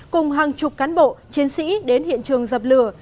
cùng hàng chục cán bộ chiến sĩ đến hiện trường dập lửa